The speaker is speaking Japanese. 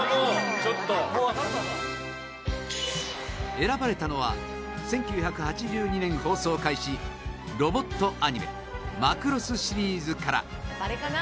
選ばれたのは１９８２年放送開始ロボットアニメ『マクロス』シリーズから森口：あれかな？